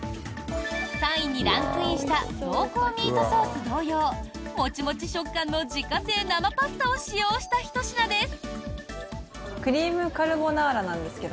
３位にランクインした濃厚ミートソース同様モチモチ食感の自家製生パスタを使用したひと品です。